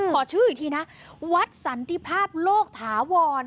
ขอชื่ออีกทีนะวัดสันติภาพโลกถาวร